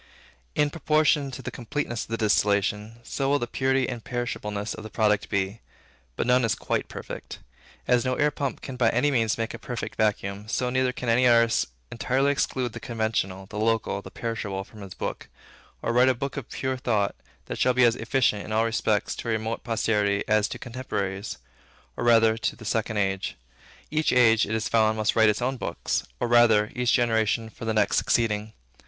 In proportion to the completeness of the distillation, so will the purity and imperishableness of the product be. But none is quite perfect. As no air pump can by any means make a perfect vacuum, so neither can any artist entirely exclude the conventional, the local, the perishable from his book, or write a book of pure thought, that shall be as efficient, in all respects, to a remote posterity, as to contemporaries, or rather to the second age. Each age, it is found, must write its own books; or rather, each generation for the next succeeding.